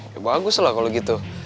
ya bagus lah kalau gitu